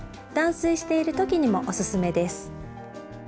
断水している時にもおすすめです。